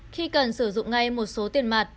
khi cần sử dụng ngay một số tiền mặt